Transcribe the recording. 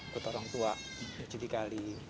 ketarung tua cuci di kali